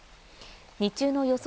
日中の予想